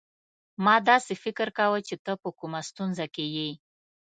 ما داسي فکر کاوه چي ته په کومه ستونزه کې يې.